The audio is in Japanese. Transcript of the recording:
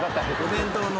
お弁当の。